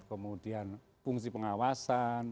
kemudian fungsi pengawasan